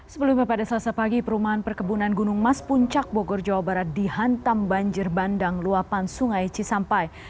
sebelumnya pada selasa pagi perumahan perkebunan gunung mas puncak bogor jawa barat dihantam banjir bandang luapan sungai cisampai